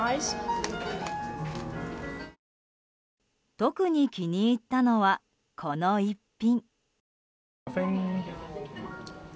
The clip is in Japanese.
特に気に入ったのはこの一品。